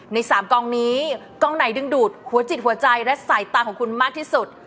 ใน๓กองนี้กองไหนดึงดูดหัวจิตหัวใจและสายตาของคุณมากที่สุด